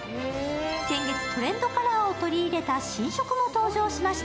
先月、トレンドカラーを取り入れた新色も登場しました。